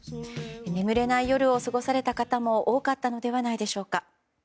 眠れない夜を過ごされた方も多かったのではないでしょうか。